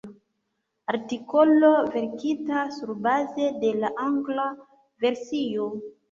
Artikolo verkita surbaze de la angla versio.